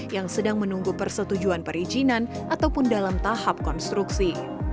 yang sedang menunggu persetujuan perizinan ataupun dalam tahap konstruksi